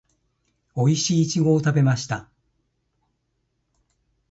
おいしいイチゴを食べました